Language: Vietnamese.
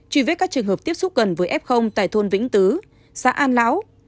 truy vết các trường hợp tiếp xúc gần với f tại thôn vĩnh tứ xã an láo